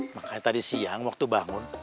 makanya tadi siang waktu bangun